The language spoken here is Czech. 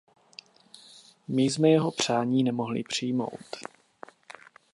My jsme jeho přání nemohli přijmout.